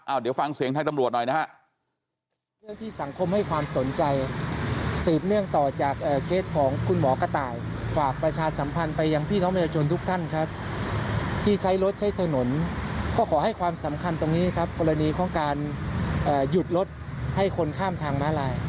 เดี๋ยวฟังเสียงทางตำรวจหน่อยนะฮะ